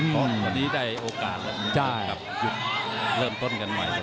เพราะวันนี้ได้โอกาสเริ่มต้นกันใหม่